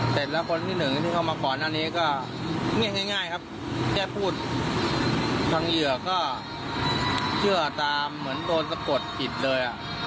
เสร็จแล้วคนที่เขามาปอนด์อันนี้ก็เงี้ยง่ายครับแค่พูดทางเหยื่อก็เชื่อตามเหมือนโดนสะกดฉีดเลยอ่ะ